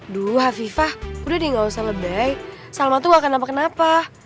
duh afifah udah dia nggak usah lebih sama tuh kenapa kenapa